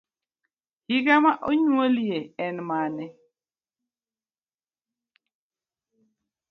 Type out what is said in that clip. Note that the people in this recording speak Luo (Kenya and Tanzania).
Higa ma onyuoliye en mane?